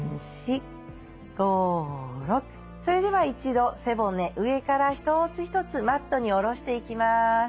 それでは一度背骨上から一つ一つマットに下ろしていきます。